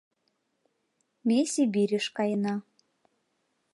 Ме Сибирьыш каена.